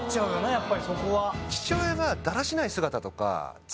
やっぱりそこは。